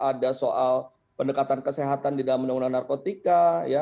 ada soal pendekatan kesehatan di dalam penyelenggaraan narkotika